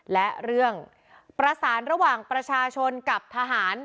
และเรื่องประสานระหว่างประชาชนกับทหาร